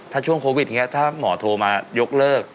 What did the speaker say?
ถ้าช่วงโควิดอย่างนี้ถ้าหมอโทรมายกเลิก